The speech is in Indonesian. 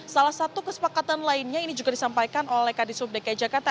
salah satu kesepakatan lainnya ini juga disampaikan oleh kadisub dki jakarta